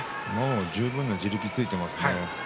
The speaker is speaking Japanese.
十分な地力がついていますね。